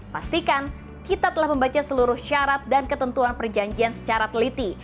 pastikan kita telah membaca seluruh syarat dan ketentuan perjanjian secara teliti